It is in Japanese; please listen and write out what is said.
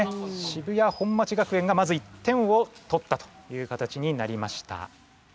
渋谷本町学園がまず１点を取ったという形になりました。